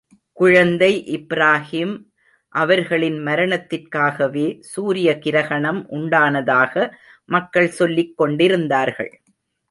குழந்தை இப்ராஹிம் அவர்களின் மரணத்திற்காகவே, சூரிய கிரஹணம் உண்டானதாக, மக்கள் சொல்லிக் கொண்டிருந்தார்கள்.